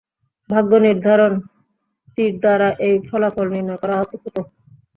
ভাগ্য নির্ধারক তীর দ্বারা এই ফলাফল নির্ণয় করা হত।